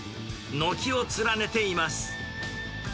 軒を連ねています。